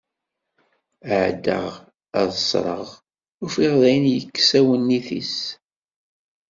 Ɛeddaɣ ad s-rreɣ, ufiɣ dayen yekkes awennit-is.